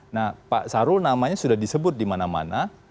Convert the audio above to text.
nah pak sarul namanya sudah disebut dimana mana